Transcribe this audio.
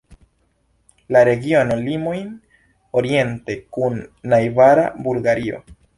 La regiono limojn oriente kun najbara Bulgario.